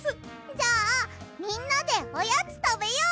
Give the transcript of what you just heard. じゃあみんなでおやつたべよう！